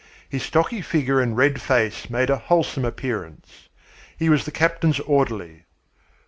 His stocky figure and red face made a wholesome appearance. He was the Captain's orderly.